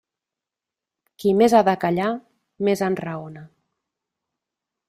Qui més ha de callar, més enraona.